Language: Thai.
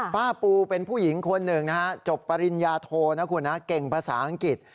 ป้าปูเป็นผู้หญิงคนหนึ่งจบปริญญาโธลเข่งภาษาอังกฤษ